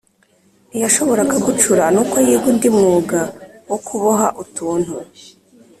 Ntiyashoboraga gucura, nuko yiga undi mwuga wo kuboha utuntu